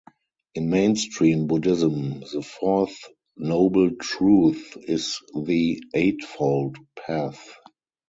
In mainstream Buddhism, the fourth Noble Truth is the Eightfold Path.